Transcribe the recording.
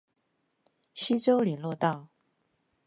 溪州連絡道